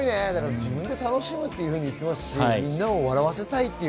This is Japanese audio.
自分で楽しむと言っていますし、みんなを笑わせたいという。